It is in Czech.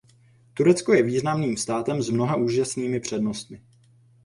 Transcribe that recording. Turecko je významným státem s mnoha úžasnými přednostmi.